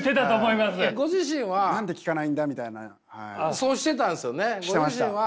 そうしてたんですよね。